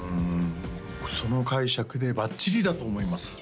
その解釈でばっちりだと思います